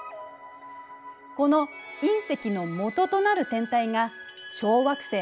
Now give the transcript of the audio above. この隕石のもととなる天体が小惑星なのよ。